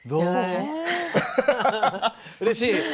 うれしい？